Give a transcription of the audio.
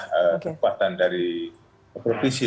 kekuatan dari provinsi